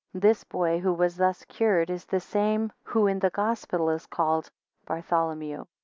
8 This boy, who was thus cured, is the same who in the Gospel is called Bartholomew.